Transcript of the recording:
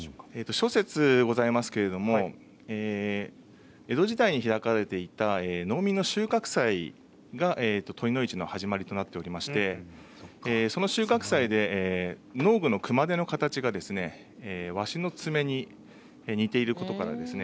諸説ありますけれど江戸時代に開かれていた農民の収穫祭が酉の市の始まりとなっておりましてその収穫祭で農具の熊手の形が鷲の爪に似ていることからですね